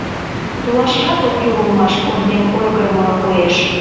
— Толашыжат ок кӱл улмаш... — оръеҥ ойгырымыла коеш.